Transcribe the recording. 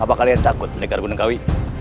apa kalian takut menegak gunungkawi